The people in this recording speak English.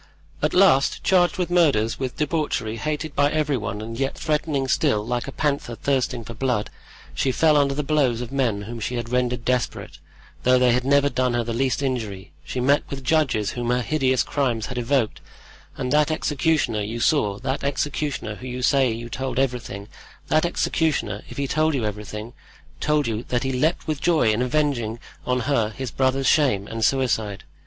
"At last, charged with murders, with debauchery, hated by every one and yet threatening still, like a panther thirsting for blood, she fell under the blows of men whom she had rendered desperate, though they had never done her the least injury; she met with judges whom her hideous crimes had evoked; and that executioner you saw—that executioner who you say told you everything—that executioner, if he told you everything, told you that he leaped with joy in avenging on her his brother's shame and suicide.